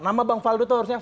nama bang faldo itu harusnya